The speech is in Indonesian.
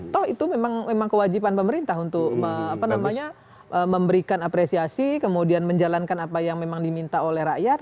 toh itu memang kewajiban pemerintah untuk memberikan apresiasi kemudian menjalankan apa yang memang diminta oleh rakyat